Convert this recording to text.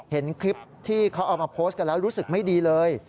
เห็นคลิปที่เขาเอามาโพสต์กันแล้วรู้สึกไม่ดีเลย